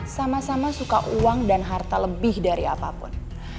sama sama suka uang dan harta lebih dari apapun